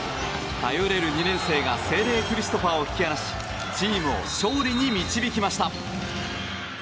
頼れる２年生が聖隷クリストファーを引き離しチームを勝利に導きました。